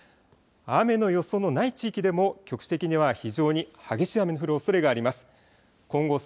雨の予想のない地域でも局地的には、非常に激しい雨の降るおそれがあります。